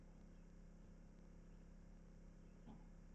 غول د بدن خوله ده.